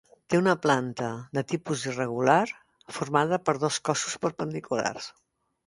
Té una planta, de tipus irregular, formada per dos cossos perpendiculars.